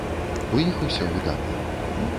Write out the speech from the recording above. У іх усё выдатна.